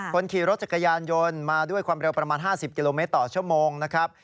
คนขี่รถจักรยานยนต์มาด้วยความเร็วประมาณ๕๐กิโลเมตรต่อชั่วโมงนะครับ